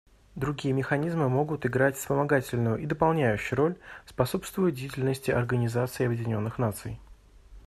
Другие механизмы могут играть вспомогательную и дополняющую роль, способствуя деятельности Организации Объединенных Наций.